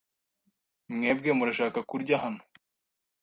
Mwebwe murashaka kurya hano?